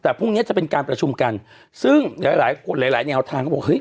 แต่พรุ่งเนี้ยจะเป็นการประชุมกันซึ่งหลายคนหลายนี่เอาทางเขาบอก